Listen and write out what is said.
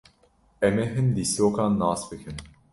Em ê hin lîstokan nas bikin.